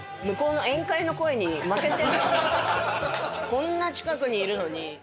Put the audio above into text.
こんな近くにいるのに。